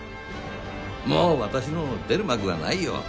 もう私の出る幕はないよ。